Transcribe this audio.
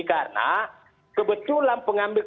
karena kebetulan pengambil